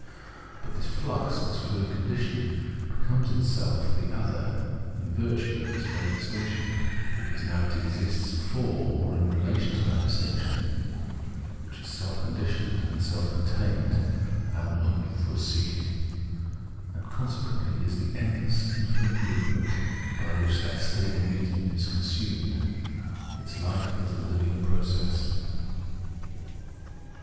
But 170 ■ Phenomenology of Mind this flux, this fluent condition, becomes itself the other in virtue of this very distinction, because now it exists " for " or in relation to that distinction, which is self conditioned and self contained {an und fur sich), and consequently is the endless, infinite movement by which that stable mediimi is consumed^s life as a living process.